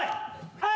はい。